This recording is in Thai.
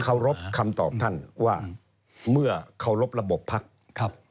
เคารพคำตอบท่านว่าเมื่อเคารพระบบภักดิ์ครับ